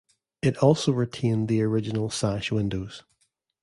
It also retained the original sash windows.